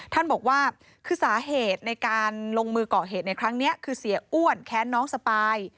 ท่านบอกว่าคือสาเหตุในการลงมือก่อเหตุในครั้งนี้คือเสียอ้วนแค้นน้องสปาย